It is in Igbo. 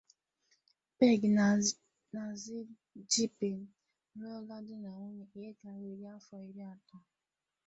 Peng na Xi Jinping alụọla dị na nwunye ihe karịrị afọ iri atọ.